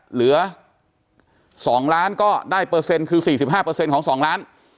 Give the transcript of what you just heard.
เหลือ๒ล้านก็ได้เปอร์เซ็นต์คือ๔๕ของ๒ล้าน